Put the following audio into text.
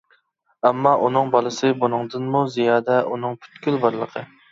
ئەمما ئۇنىڭ بالىسى بۇنىڭدىنمۇ زىيادە، ئۇنىڭ پۈتكۈل بارلىقى.